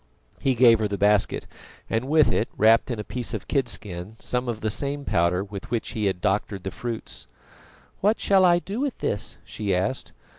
He gave her the basket, and with it, wrapped in a piece of kidskin, some of the same powder with which he had doctored the fruits. "What shall I do with this?" she asked.